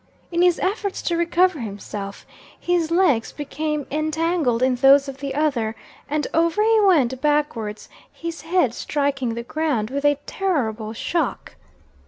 In his efforts to recover himself, his legs became entangled in those of the other, and over he went, backwards, his head striking the ground with a terrible shock.